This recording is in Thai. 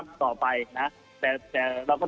ก็บอกว่าทำไมเวียดนามเขาถึงเอาทีมไทยเป็นตัวร้ายไม่ว่า